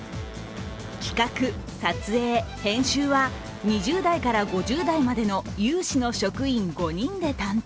企画・撮影・編集は２０代から５０代までの有志の職員５人で担当。